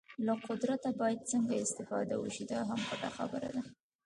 له قدرته باید څنګه استفاده وشي دا هم پټه خبره ده.